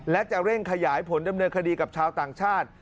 และจะเร่งขยายผลดำเนินคดีกับชาวต่างชาติ